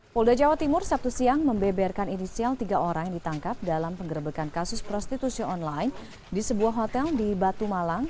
polda jawa timur sabtu siang membeberkan inisial tiga orang yang ditangkap dalam penggerbekan kasus prostitusi online di sebuah hotel di batu malang